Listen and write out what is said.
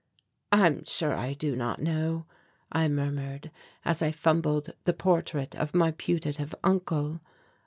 "I am sure I do not know," I murmured, as I fumbled the portrait of my putative uncle.